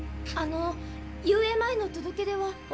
あの遊泳前の届け出は？